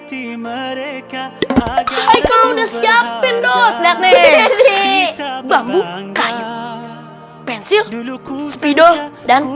bambu kayu pensil spidol dan